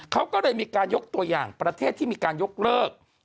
เขาก็เลยมีการยกตัวอย่างประเทศที่มีการยกเลิก